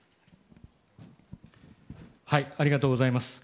ありがとうございます。